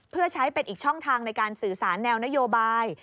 เพื่อใช้เป็นอีกช่องทางในการสื่อสารแนวนโยบาย